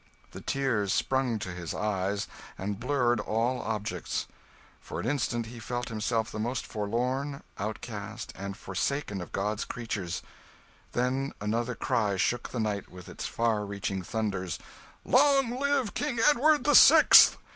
The tears sprang to his eyes and blurred all objects. For an instant he felt himself the most forlorn, outcast, and forsaken of God's creatures then another cry shook the night with its far reaching thunders: "Long live King Edward the Sixth!"